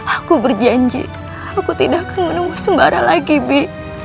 aku berjanji aku tidak akan menunggu sembara lagi bi